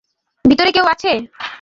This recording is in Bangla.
ভিতরে কেউ আছে?